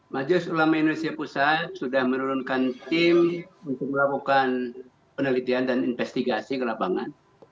majelis ulama indonesia pusat sudah menurunkan tim untuk melakukan penelitian dan investigasi ke lapangan